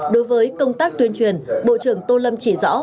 đối với công tác tuyên truyền bộ trưởng tô lâm chỉ rõ